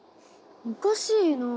おかしいな。